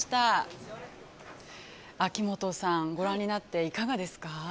秋元さんご覧になっていかがですか？